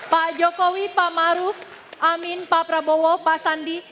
pak jokowi pak maruf amin pak prabowo pak sandi